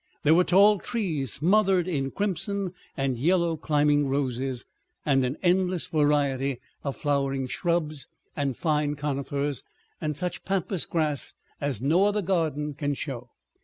There were tall trees smothered in crimson and yellow climbing roses, and an endless variety of flowering shrubs and fine conifers, and such pampas grass as no other garden can show.